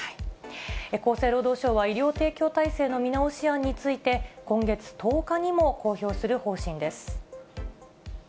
厚生労働省は、医療提供体制の見直し案について、今月１０日にも公表する方針です。